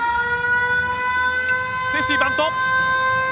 セーフティーバント！